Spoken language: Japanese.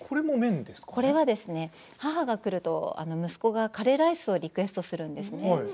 母が来ると息子がカレーライスをリクエストするんですね。